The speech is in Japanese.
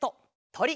「とり」